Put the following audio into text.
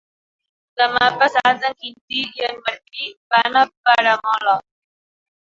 Demà passat en Quintí i en Martí van a Peramola.